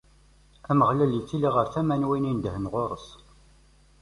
Ameɣlal ittili ɣer tama n wid i neddhen ɣur-s.